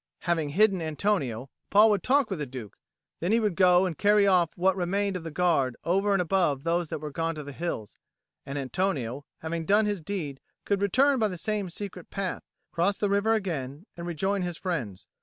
Having hidden Antonio, Paul would talk with the Duke; then he would go and carry off what remained of the guard over and above those that were gone to the hills; and Antonio, having done his deed, could return by the same secret path, cross the river again, and rejoin his friends.